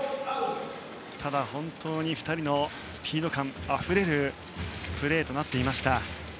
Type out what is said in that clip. ただ、本当に２人のスピード感あふれるプレーとなっていました。